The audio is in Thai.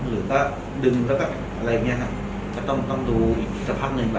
หรือก็ดึงอะไรอย่างนี้ครับก็ต้องดูอีกสภาพนึง